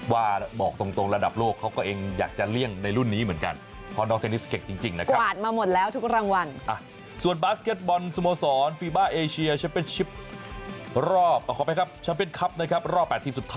ว่าบอกตรงระดับโลกเขาก็เองอยากจะเลี่ยงในรุ่นนี้เหมือนกันเพราะน้องเทนนิสเก่งจริงนะครับ